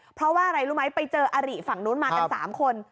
เพราะว่าอะไรรู้ไหมไปเจออาริฝั่งนู้นมากัน๓คน